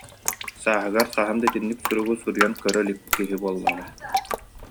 Сааһыгар хаһан да итинник суругу суруйан көрө илик киһи буоллаҕа